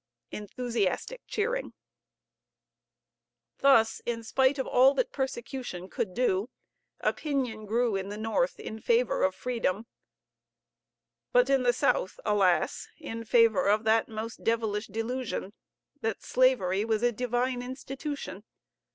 (Enthusiastic cheering.) Thus, in spite of all that persecution could do, opinion grew in the North in favor of freedom; but in the South, alas! in favor of that most devilish delusion that slavery was a Divine institution.